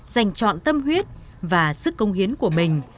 dành chọn tâm huyết và sức công hiến của mình